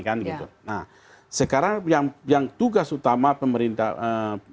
sekarang yang tugas utama pengawasan adalah kementerian dan pemerintahan